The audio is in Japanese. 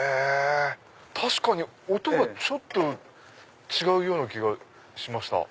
確かに音がちょっと違うような気がしました。